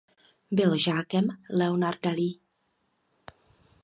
Byl žákem Leonarda Lea.